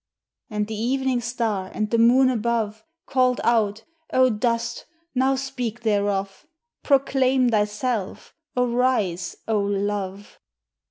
And the evening star and the moon above Called out, "O dust, now speak thereof! Proclaim thyself! Arise, O love!"